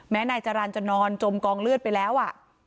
นายจรรย์จะนอนจมกองเลือดไปแล้ว